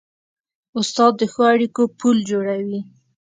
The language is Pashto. استاد د ښو اړیکو پل جوړوي.